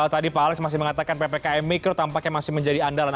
tadi pak alex masih mengatakan ppkm mikro tampaknya masih menjadi andalan